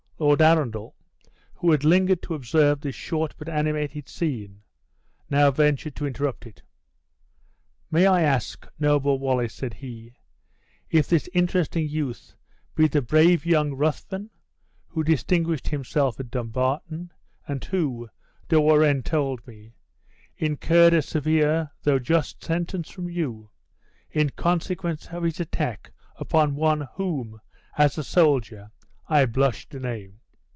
Lord Arundel, who had lingered to observe this short but animated scene, now ventured to interrupt it: "May I ask, noble Wallace," said he, "if this interesting youth be the brave young Ruthven, who distinguished himself at Dumbarton, and who, De Warenne told me, incurred a severe though just sentence from you, in consequence of his attack upon one whom, as a soldier, I blush to name?"